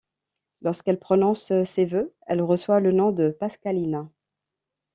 Lorsqu'elle prononce ses vœux, elle reçoit le nom de Pascalina.